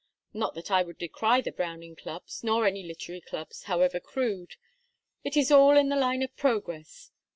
Not that I would decry the Browning Clubs, nor any literary clubs, however crude. It is all in the line of progress.